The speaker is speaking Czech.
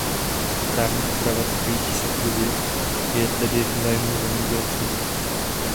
Právní úprava týkající se půdy je tedy v zájmu zemědělců.